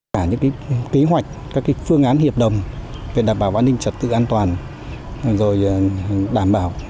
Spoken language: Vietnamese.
cả những kế hoạch các phương án hiệp đồng về đảm bảo an ninh trật tự an toàn đảm bảo